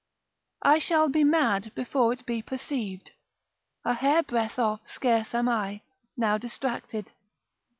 I shall be mad before it be perceived, A hair breadth off scarce am I, now distracted.